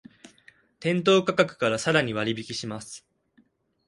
店頭価格からさらに割引します